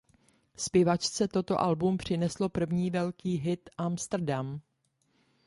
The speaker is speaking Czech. Zpěvačce toto album přineslo první velký hit Amsterdam.